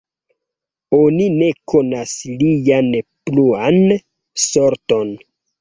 Oni ne konas lian pluan sorton.